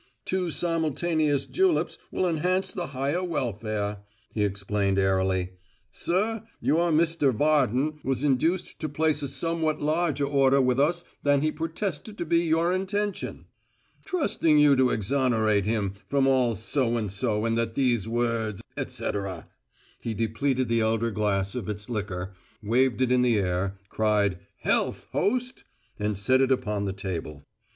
"Two simultaneous juleps will enhance the higher welfare," he explained airily. "Sir, your Mr. Varden was induced to place a somewhat larger order with us than he protested to be your intention. Trusting you to exonerate him from all so and so and that these few words, etcetera!" He depleted the elder glass of its liquor, waved it in the air, cried, "Health, host!" and set it upon the table.